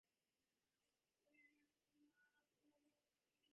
ދިރިއުޅުމަކީ މައްސަލަތަކުން ފުރިގެންވާ އަހުވައެއްކަމުގައި ބަދަލުވެގެން ހިނގައިދާނެ